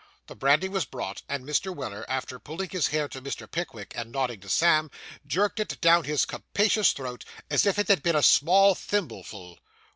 The brandy was brought; and Mr. Weller, after pulling his hair to Mr. Pickwick, and nodding to Sam, jerked it down his capacious throat as if it had been a small thimbleful.